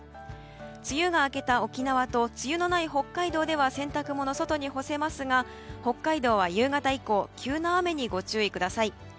梅雨が明けた沖縄と梅雨がない北海道では洗濯物、外に干せますが北海道は夕方以降急な雨にご注意ください。